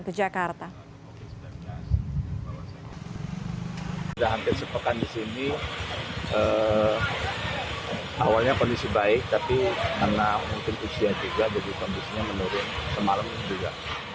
perjalanan ke jakarta